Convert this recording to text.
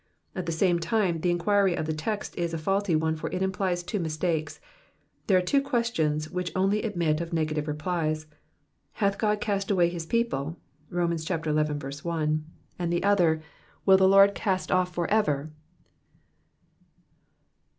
At the same time, the enquiry of the text is a faulty one, for it implies two mistakes. There are two questions, which only admit of negative replies. Hath God east away his people?" (Romans xi. 1) ; and the other, Will the Lord cast off forever?"